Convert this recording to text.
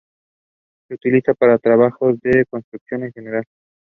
The institute aimed to promote positive relations between workers and management.